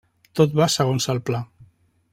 Tot va segons el pla.